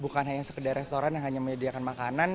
bukan hanya sekedar restoran yang hanya menyediakan makanan